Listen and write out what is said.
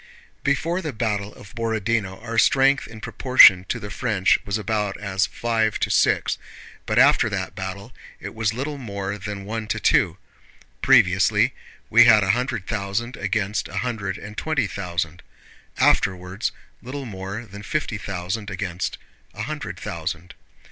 Before the battle of Borodinó our strength in proportion to the French was about as five to six, but after that battle it was little more than one to two: previously we had a hundred thousand against a hundred and twenty thousand; afterwards little more than fifty thousand against a hundred thousand.